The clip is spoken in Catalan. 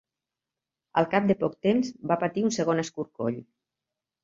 Al cap de poc temps va patir un segon escorcoll.